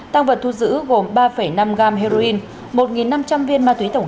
tăng vật thu giữ gồm ba năm gam heroin